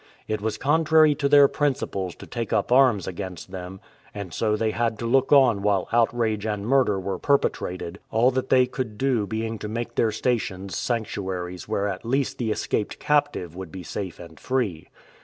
It was contrary to their principles to take up arms against them, and so they had to look on while outrage and murder were perpetrated, all that they could do being to make their stations sanctuaries where at least the escaped captive would be safe and free.